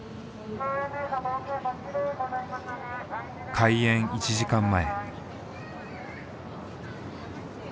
開演１時間前。